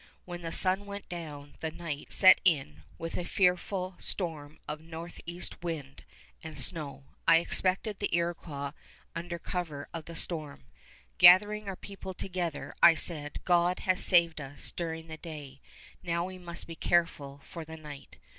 When the sun went down the night set in with a fearful storm of northeast wind and snow. I expected the Iroquois under cover of the storm. Gathering our people together, I said: "God has saved us during the day. Now we must be careful for the night.